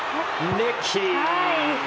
レッキー。